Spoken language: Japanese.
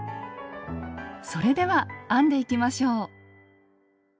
それでは編んでいきましょう！